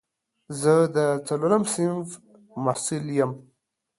زه د څلورم صنف محصل یم